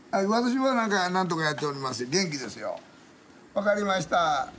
分かりました。